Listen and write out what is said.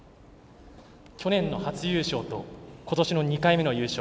去年の初優勝と今年の２回目の優勝